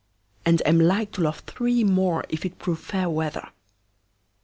And am like to love three more, If it prove fair weather.